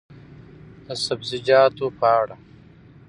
د سبزیجاتو په اړه: